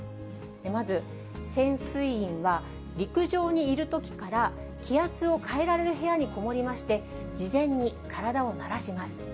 まず、潜水員は陸上にいるときから、気圧を変えられる部屋に籠りまして、事前に体を慣らします。